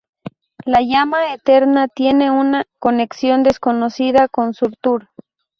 La Llama Eterna tiene una conexión desconocida con Surtur.